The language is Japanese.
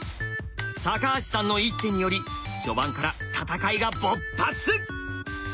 橋さんの一手により序盤から戦いが勃発！